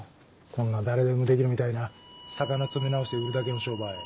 こんな誰でもできるみたいな魚詰め直して売るだけの商売。